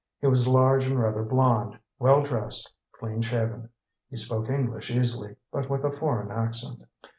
He was large and rather blond, well dressed, clean shaven. He spoke English easily, but with a foreign accent.